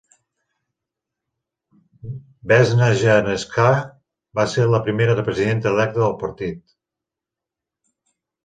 Vesna Janevska va ser la primera presidenta electa del partit.